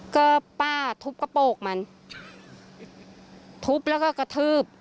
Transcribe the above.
ก็ป้าทุบกระโปรกมันทุบแล้วก็กระทืบ